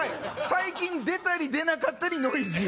最近出たり出なかったりノイジー。